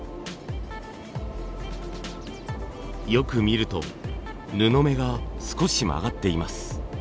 よく見ると布目が少し曲がっています。